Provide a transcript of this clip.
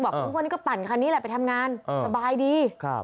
บอกว่าก็ปั่นคันี่ละไปทำงานสบายดี